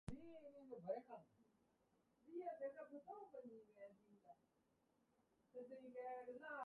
Preceded by Ghana Bassi, Manin was the last ruler of the Ghana Empire.